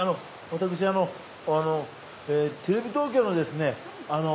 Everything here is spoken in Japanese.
私テレビ東京のですね